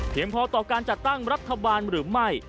พอต่อการจัดตั้งรัฐบาลหรือไม่